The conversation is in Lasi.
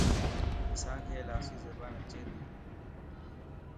اسانک لاسي زبان اچي تي